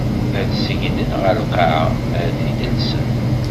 Ad t-segnen ɣer lqaɛa, ad t-id-llsen.